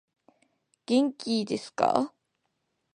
元気いですか